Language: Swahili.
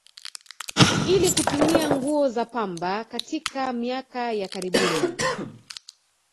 Ili kutumia nguo za pamba katika miaka ya karibuni